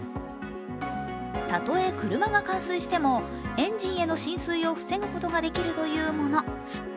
たとえ車が冠水してもエンジンへの浸水を防ぐことができるというもの。